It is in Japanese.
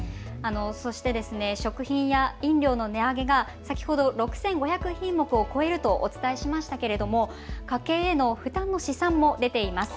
そして食品や飲料の値上げが先ほど６５００品目を超えるとお伝えしましたが家計への負担の試算も出ています。